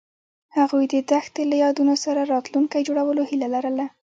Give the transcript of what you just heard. هغوی د دښته له یادونو سره راتلونکی جوړولو هیله لرله.